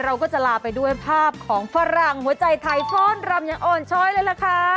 เราก็จะลาไปด้วยภาพของฝรั่งหัวใจไทยฟ้อนรำอย่างอ่อนช้อยเลยล่ะค่ะ